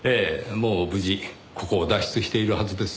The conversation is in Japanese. もう無事ここを脱出しているはずです。